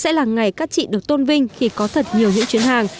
sẽ là ngày các chị được tôn vinh khi có thật nhiều những chuyến hàng